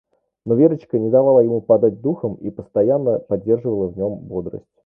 Но Верочка не давала ему падать духом и постоянно поддерживала в нём бодрость...